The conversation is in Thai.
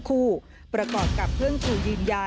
มีความรู้สึกว่า